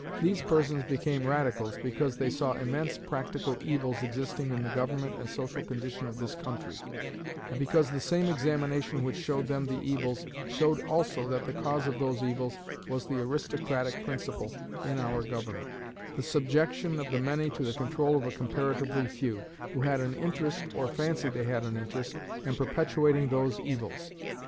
These persons became Radicals because they saw immense practical evils existing in the government and social condition of this country, and because the same examination which showed them the evils showed also that the cause of those evils was the aristocratic principle in our government, the subjection of the many to the control of a comparatively few, who had an interest, or fancied they had an interest, in perpetuating those evils.